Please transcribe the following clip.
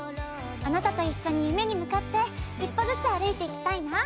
あなたと一緒に夢に向かって一歩ずつ歩いていきたいな。